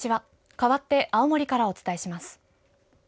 かわって青森からお伝えします。